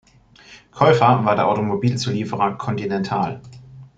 Käufer war der Automobil-Zulieferer Continental.